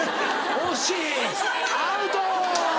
惜しいアウト！